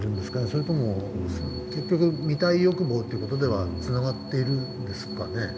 それとも見たい欲望という事ではつながっているんですかね。